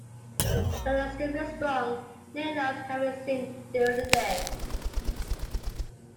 When extremely strong, Ley Lines can be seen during the day.